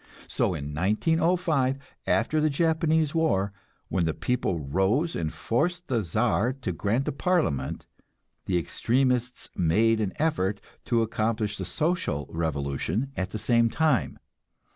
So in 1905, after the Japanese war, when the people rose and forced the Czar to grant a parliament, the extremists made an effort to accomplish the social revolution at the same time.